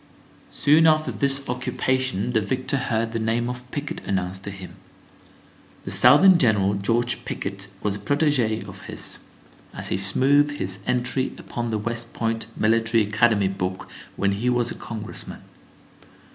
Soon after this occupation the victor heard the name of Pickett announced to him. The Southern general, George Pickett, was a protégé of his, as he smoothed his entry upon the West Point Military Academy book when he was a congressman.